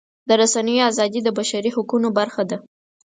د رسنیو ازادي د بشري حقونو برخه ده.